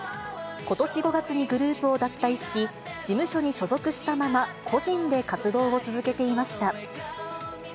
ことし５月にグループを脱退し、事務所に所属したまま、個人で活動を続けていました。